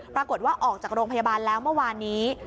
ปรากฏว่าออกจากโรงพยาบาลแล้วเมื่อวานนี้